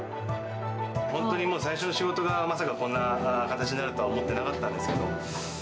本当にもう、最初の仕事がまさかこんな形になるとは思ってなかったんですけど。